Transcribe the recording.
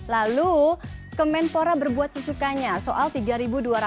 lalu kemenpora berbuat sesukanya soal tiga ribu dua ratus juta